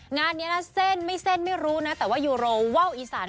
งานนี้นะเส้นไม่เส้นไม่รู้นะแต่ว่ายูโรว่าวอีสาน